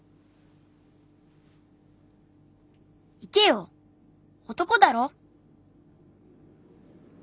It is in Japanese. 行けよ男だろ？